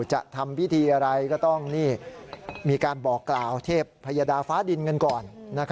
จะทำพิธีอะไรก็ต้องมีการบอกกล่าวเทพพยดาฟ้าดินกันก่อน